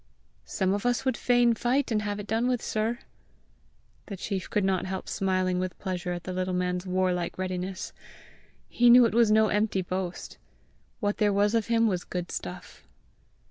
"Some of us would fain fight and have done with it, sir!" The chief could not help smiling with pleasure at the little man's warlike readiness: he knew it was no empty boast; what there was of him was good stuff.